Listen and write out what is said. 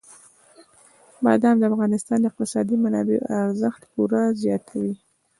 بادام د افغانستان د اقتصادي منابعو ارزښت پوره زیاتوي.